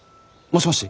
もしもし！